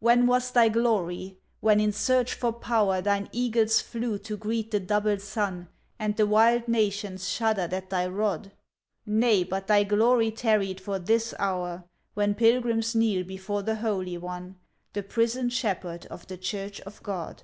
When was thy glory! when in search for power Thine eagles flew to greet the double sun, And the wild nations shuddered at thy rod? Nay, but thy glory tarried for this hour, When pilgrims kneel before the Holy One, The prisoned shepherd of the Church of God.